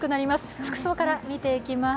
服装から見ていきます。